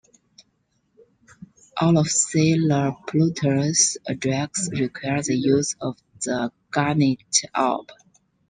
All of Sailor Pluto's attacks require the use of the Garnet Orb.